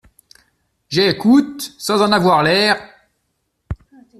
J'écoute, sans en avoir l'air.